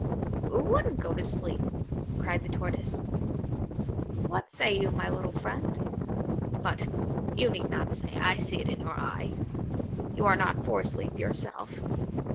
"Who wouldn't go to sleep?" cried the Tortoise; "what say you, my little friend? But you need not say; I see it in your eye. You are not for sleep yourself.